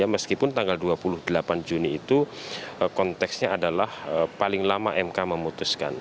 meskipun tanggal dua puluh delapan juni itu konteksnya adalah paling lama mk memutuskan